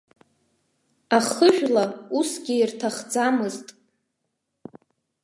Ахыжәла усгьы ирҭахӡамызт.